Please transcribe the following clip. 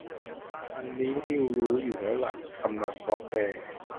อันนี้ลิ่วรู้อยู่แล้วอ่ะ ทำนองซอฟต์แวร์